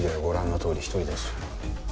ご覧のとおり一人だし。